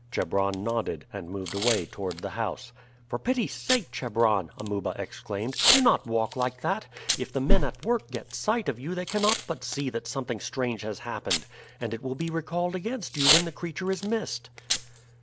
Chebron nodded, and moved away toward the house. "For pity sake, Chebron!" Amuba exclaimed, "do not walk like that. If the men at work get sight of you they cannot but see that something strange has happened, and it will be recalled against you when the creature is missed."